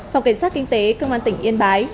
phòng cảnh sát kinh tế công an tỉnh yên bái